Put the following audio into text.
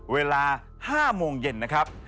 เวลา๕โมงเย็นนะครับ